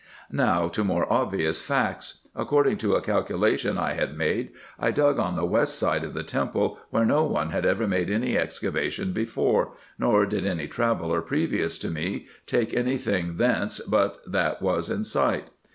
Now to more obvious facts. According to a calculation I had made, I dug on the west side of the temple, where no one had ever made any excavation before, nor did any traveller previous to me take any thing thence but what was in sight.